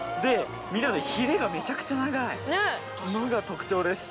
ヒレがめちゃくちゃ長いのが特徴です。